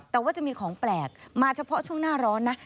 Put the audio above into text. แต่ว่าจะมีของแปลกมาเฉพาะช่วงหน้าร้อนนะ